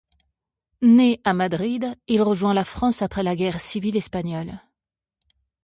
Né à Madrid, il rejoint la France après la guerre civile espagnole.